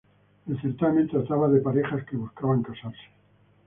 El certamen trataba de parejas que buscaban casarse.